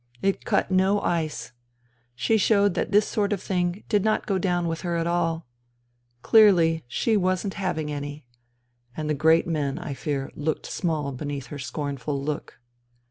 It cut no ice. She showed that this sort of thing " did not go down with her" at all. Clearly she wasn't " having any." And the great men, I fear, looked small beneath her scornful look.